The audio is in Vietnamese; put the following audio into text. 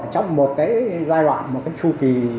trong một cái giai đoạn một cái chu kỳ